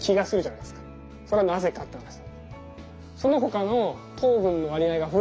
それはなぜかって話なんです。